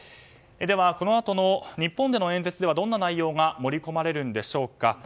ではこのあとの日本での演説ではどんな内容が盛り込まれるんでしょうか。